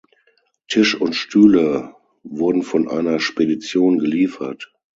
Tisch und Stühle wurden von einer Spedition geliefert.